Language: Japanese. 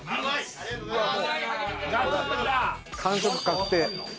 ありがとうございます